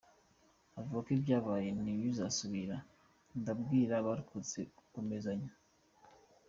Avuga ko ‘ibyabaye ntibizasubira, ndabwira abarokotse gukomezanya’.